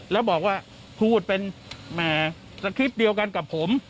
แล้วบอกว่าพูดเป็นสคริปต์เดียวกันกับผม